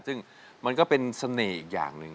ซึ่งมันก็เป็นเสน่ห์อีกอย่างหนึ่ง